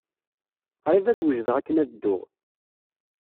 Qrib ad wejdeɣ akken ad dduɣ.